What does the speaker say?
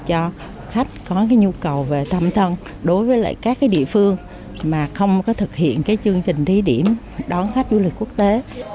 cho khách có nhu cầu về thăm thân đối với các địa phương mà không thực hiện chương trình thí điểm đón khách du lịch quốc tế